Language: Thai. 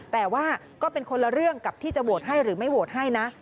แต่ว่าก็เป็นคนละเรื่องกับที่จะโหวตให้หรือไม่โหวตให้นะ